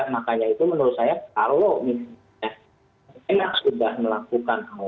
makanya itu menurut saya kalau misalnya enak sudah melakukan hal